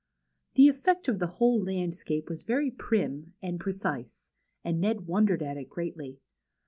The effect of the whole landscape was very prim and precise, and Ned wondered at it greatly.